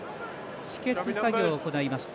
止血作業を行いました